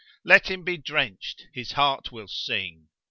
Let him be drenched, his heart will sing.